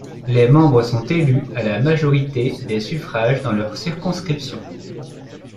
Les membres sont élus à la majorité des suffrages dans leurs circonscriptions.